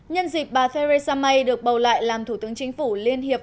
nhân dịp bà theresa may được bầu lại làm thủ tướng chính phủ liên hiệp